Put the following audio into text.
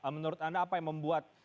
menurut anda apa yang membuat